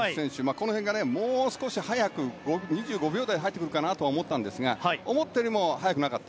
この辺がもう少し速く２５秒台で入ってくるかなと思ったんですが思ったより速くなかった。